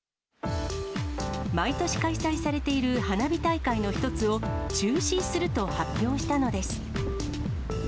毎年開催されている花火大会の一つを中止すると発表したのです。